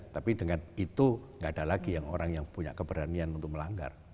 tapi dengan itu nggak ada lagi yang orang yang punya keberanian untuk melanggar